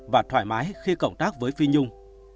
và thoải mái khi cộng tác với phi nhung